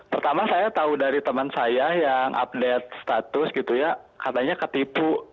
pertama saya tahu dari teman saya yang update status gitu ya katanya ketipu